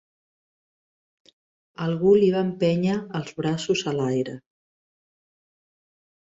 Algú li va empènyer els braços a l'aire.